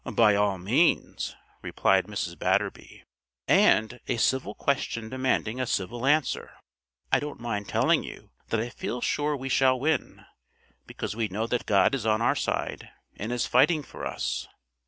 "By all means," replied Mrs. Batterby; "and, a civil question demanding a civil answer, I don't mind telling you that I feel sure we shall win, because we know that God is on our side and is fighting for us."